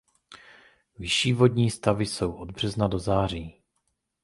Vyšší vodní stavy jsou od března do září.